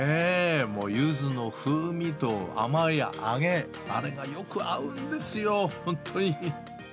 もうゆずの風味と甘い揚げ、あれがよく合うんですよ、本当に。